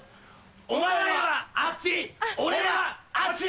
お前はあっち！